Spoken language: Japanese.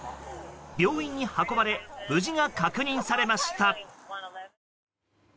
病院に運ばれ無事が確認されました。